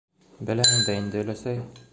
- Беләһең дә инде, өләсәй...